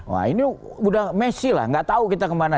wah ini udah messi lah nggak tahu kita kemana